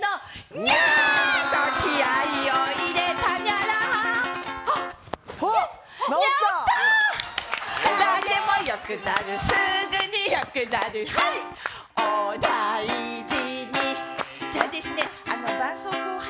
ニャー！と気合いを入れたにゃら。